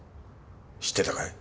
知ってたかい？